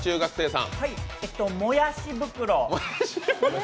もやし袋。